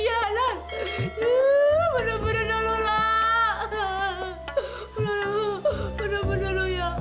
ya allah air mata begini